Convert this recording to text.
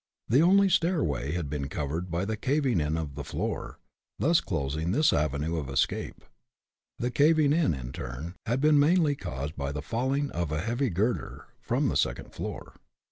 The only stairway had been covered by the caving in of the floor, thus closing this avenue of escape. The caving in, in turn, had been mainly caused by the falling of a heavy girder, from the second floor.